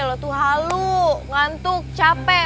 kalau tuh halu ngantuk capek